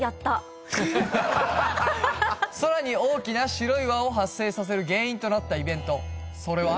さらに大きな白い輪を発生させる原因となったイベントそれは